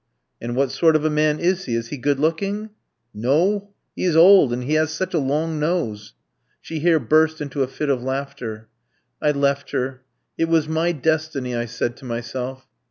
"'And what sort of a man is he? Is he good looking?' "'No, he is old, and he has such a long nose.' "She here burst into a fit of laughter. I left her. 'It was my destiny,' I said to myself.